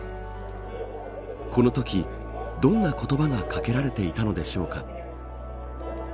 このとき、どんな言葉がかけられていたのでしょうか。